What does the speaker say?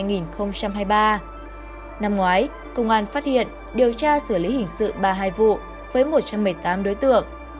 năm ngoái công an phát hiện điều tra xử lý hình sự ba mươi hai vụ với một trăm một mươi tám đối tượng